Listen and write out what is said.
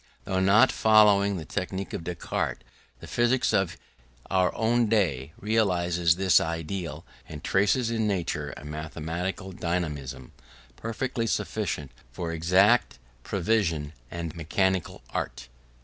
Though not following the technique of Descartes, the physics of our own day realises his ideal, and traces in nature a mathematical dynamism, perfectly sufficient for exact prevision and mechanical art.